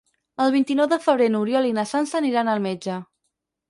El vint-i-nou de febrer n'Oriol i na Sança aniran al metge.